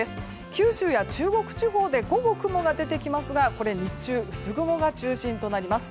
九州や中国地方で午後、雲が出てきますがこれは日中薄雲が中心となります。